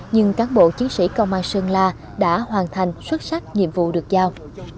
nhưng các bộ chí sĩ công an sơn la đã hoàn thành xuất sắc nhiệm vụ được giao